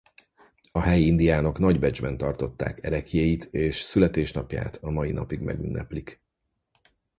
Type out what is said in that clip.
A helyi indiánok nagy becsben tartották ereklyéit és születésnapját a mai napig megünneplik.